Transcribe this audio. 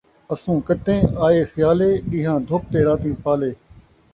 اسو کتیں ائے سیالے، ݙین٘ہاں دھپ تے راتیں پالے